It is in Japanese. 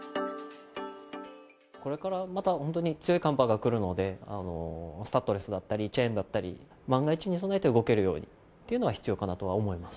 これからまた本当に強い寒波が来るので、スタッドレスだったり、チェーンだったり、万が一に備えて動けるようにというのは必要かなと思います。